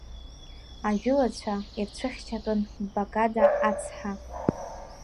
Ажәылацәа ирцәыхьчатәын Багада ацҳа.